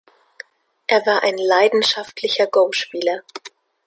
Er war ein leidenschaftlicher Go-Spieler.